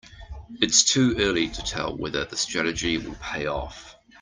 It's too early to tell whether the strategy will pay off.